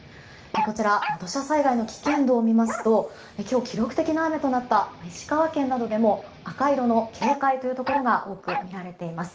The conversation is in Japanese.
こちらの土砂災害の危険度を見ますと今日、記録的な雨となった石川県などでも赤色の警戒というところが多く見られています。